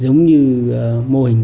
giống như mô hình thuế